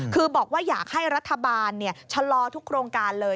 คือบอกว่าอยากให้รัฐบาลชะลอทุกโครงการเลย